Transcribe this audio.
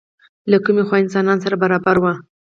له کومې خوا انسانان سره برابر وو؟